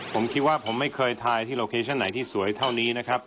ผมคิดว่าผมไม่เคยทายที่โลเคชั่นไหนที่สวยเท่านี้นะครับ